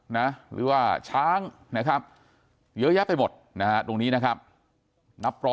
หรือว่าช้างนะครับเยอะแยะไปหมดนะฮะตรงนี้นะครับนับร้อย